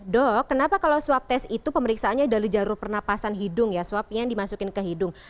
dok kenapa kalau swab test itu pemeriksaannya dari jalur pernapasan hidung ya swab yang dimasukin ke hidung